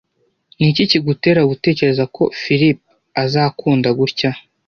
Niki kigutera gutekereza ko Philip azakunda gutya?